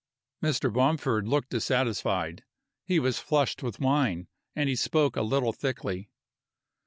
Mr. Bomford looked dissatisfied. He was flushed with wine and he spoke a little thickly.